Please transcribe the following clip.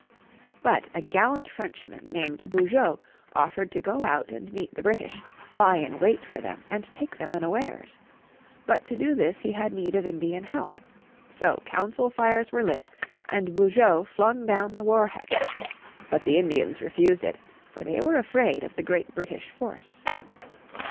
But a gallant Frenchman named Beaujeu offered to go out and meet the British, lie in wait for them and take them unawares. But to do this he had need of Indian help. So council fires were lit and Beaujeu flung down the war hatchet. But the Indians refused it, for they were afraid of the great British force.